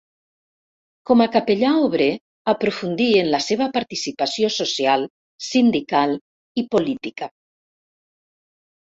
Com a capellà obrer, aprofundí en la seva participació social, sindical i política.